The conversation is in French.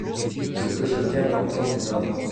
Ce que je viens d’entendre est navrant.